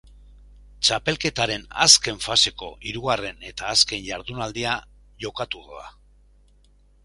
Txapelketaren azken faseko hirugarren eta azken jardunaldia jokatuko da.